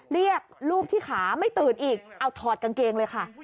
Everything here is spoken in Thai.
รูปที่ขาไม่ตื่นอีกเอาถอดกางเกงเลยค่ะ